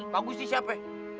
pak gusti siapa